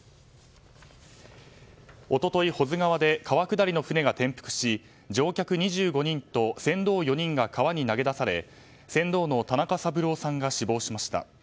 一昨日、保津川で川下りの舟が転覆し乗客２５人と船頭４人が川に投げ出され船頭の田中三郎さんが死亡しました。